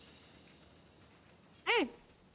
うん！